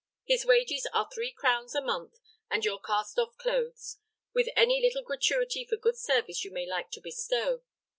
His wages are three crowns a month, and your cast off clothes, with any little gratuity for good service you may like to bestow.